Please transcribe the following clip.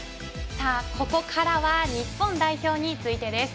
ここからは日本代表についてです。